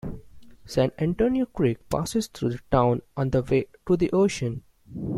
San Antonio Creek passes through the town on the way to the ocean.